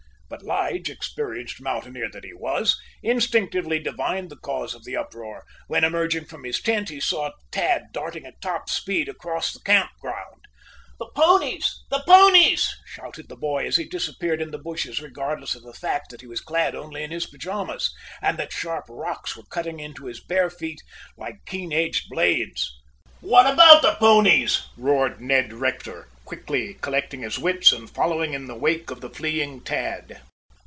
But Lige, experienced mountaineer that he was, instinctively divined the cause of the uproar, when, emerging from his tent, he saw Tad darting at top speed across the camp ground. "The ponies! The ponies!" shouted the boy, as he disappeared in the bushes, regardless of the fact that he was clad only in his pajamas, and that the sharp rocks were cutting into his bare feet like keen edged blades. "What about the ponies?" roared Ned Rector, quickly collecting his wits and following in the wake of the fleeing Tad.